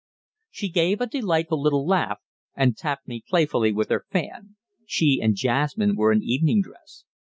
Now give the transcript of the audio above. She gave a delightful little laugh, and tapped me playfully with her fan she and Jasmine were in evening dress.